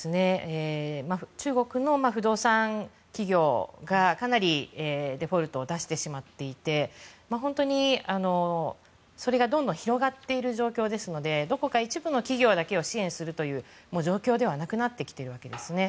中国の不動産企業がかなりデフォルトを出してしまっていて本当にそれがどんどん広がっている状況ですのでどこか一部の企業だけを支援する状況ではなくなってきているんですね。